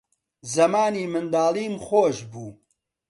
زەمانی منداڵیم خۆش بوو